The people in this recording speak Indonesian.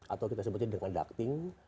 atau kita sebutnya dengan ducting